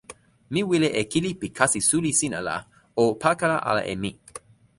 mi wile e kili pi kasi suli sina la o pakala ala e mi.